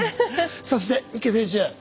そして池選手。